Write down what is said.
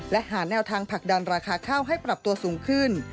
และหาแนวทางผลักดันราคาข้าวให้ปรับตัวสูงขึ้น